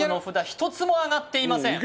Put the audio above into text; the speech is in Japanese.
１つもあがっていません